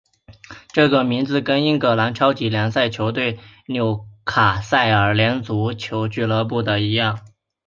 这个名字跟英格兰超级联赛球队纽卡斯尔联足球俱乐部的一样。